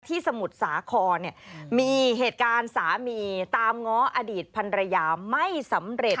สมุทรสาครเนี่ยมีเหตุการณ์สามีตามง้ออดีตพันรยาไม่สำเร็จ